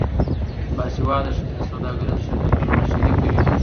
باسواده ښځې د سوداګریزو شرکتونو مشري کوي.